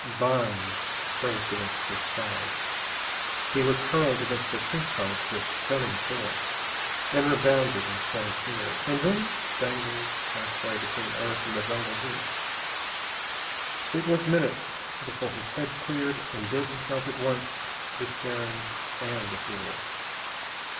Vines scraped against his sides. He was hurled against a tree trunk with stunning force, and rebounded, and swung clear, and then dangled halfway between earth and the jungle roof. It was minutes before his head cleared, and then he felt at once despairing and a fool.